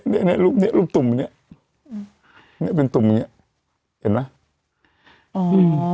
นี่นี่รูปนี้รูปตุ่มนี้นี่เป็นตุ่มอย่างนี้เห็นไหมอ๋อ